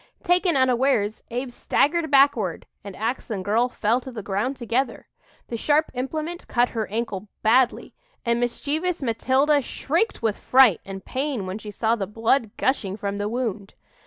Taken unawares, Abe staggered backward and ax and girl fell to the ground together. The sharp implement cut her ankle badly, and mischievous Matilda shrieked with fright and pain when she saw the blood gushing from the wound.